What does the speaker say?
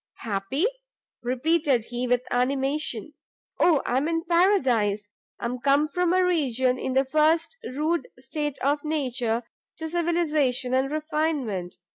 "Happy!" repeated he, with animation, "Oh I am in Paradise! I am come from a region in the first rude state of nature, to civilization and refinement!